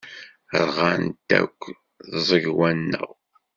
Rɣant akk tẓegwa-nneɣ.